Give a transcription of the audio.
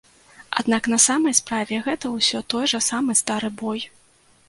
Аднак на самай справе гэта ўсё той жа самы стары бой.